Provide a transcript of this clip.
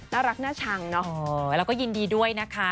น่ารักน่าชังเนาะแล้วก็ยินดีด้วยนะคะ